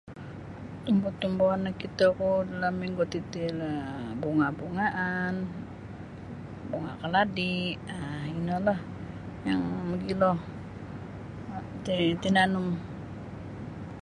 Tumbu-tumbuan nokito ku dalam minggu titi lah bunga-bungaan bunga keladi um ino la yang magilo tinanum.